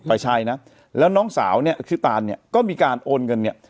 ไม่ใช่นะแล้วน้องสาวเนี่ยชื่อตานเนี่ยก็มีการโอนเงินเนี่ย